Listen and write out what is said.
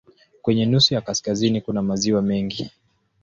Kwenye nusu ya kaskazini kuna maziwa mengi.